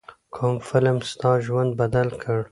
کوم فلم ستا ژوند بدل کړ.